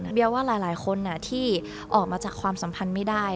เบียว่าหลายคนที่ออกมาจากความสัมพันธ์ไม่ได้